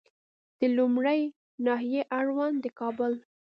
د لومړۍ ناحیې اړوند د کابل